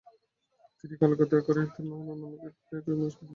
তিনি কলকাতায় Corinthian hall নামক এক থিয়েটার মঞ্চ কিনে ফেলেন।